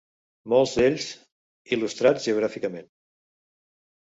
Molts d'ells, il·lustrats geogràficament.